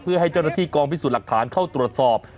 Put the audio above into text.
เพื่อให้เจ้าหน้าที่กองพิสูจน์หลักฐานเข้าตรวจสอบ